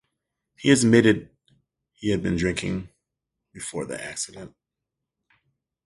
He has admitted he had been drinking before the accident.